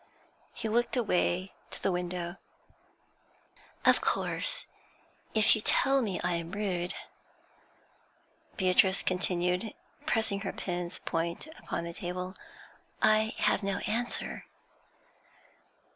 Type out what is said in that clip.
He looked away to the window. 'Of course, if you tell me I am rude,' Beatrice continued, pressing her pen's point upon the table, 'I have no answer.'